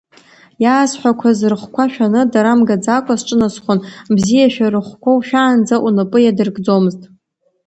Иаасҳәақәаз рыхәқәа шәаны дара мгаӡакәа сҿынасхон бзиашәа рыхәқәа ушәаанӡа унапы иадыркӡомызт.